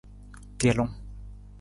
Telung.